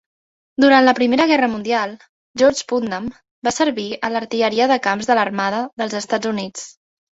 Durant la Primera Guerra Mundial, George Putnam va servir a l"artilleria de camps de l"armada dels Estats Units.